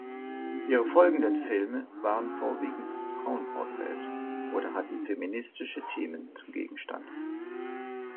Ihre folgenden Filme waren vorwiegend Frauenporträts oder hatten feministische Themen zum Gegenstand.